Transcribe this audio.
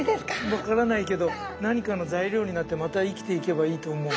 分からないけど何かの材料になってまた生きていけばいいと思う。